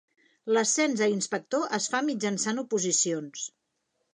L'ascens a inspector es fa mitjançant oposicions.